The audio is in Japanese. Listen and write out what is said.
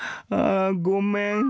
あごめん。